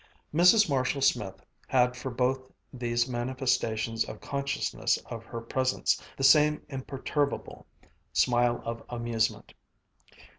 Mrs. Marshall Smith had for both these manifestations of consciousness of her presence the same imperturbable smile of amusement.